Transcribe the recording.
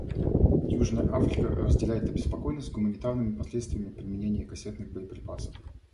Южная Африка разделяет обеспокоенность гуманитарными последствиями применения кассетных боеприпасов.